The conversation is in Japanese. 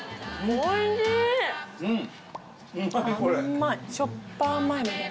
おいしい！